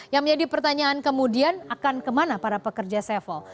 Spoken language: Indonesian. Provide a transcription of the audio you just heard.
yang menjadi pertanyaan kemudian akan kemana para pekerja several